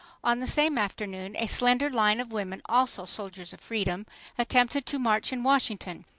On the same afternoon a slender line of women—also "soldiers of freedom"—attempted to march in Washington.